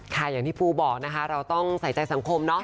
อย่างที่ปูบอกนะคะเราต้องใส่ใจสังคมเนาะ